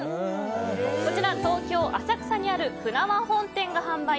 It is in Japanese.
こちら、東京・浅草にある舟和本店が販売。